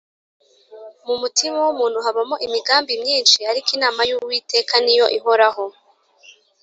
mu mutima w’umuntu habamo imigambi myinshi, ariko inama y’uwiteka ni yo ihoraho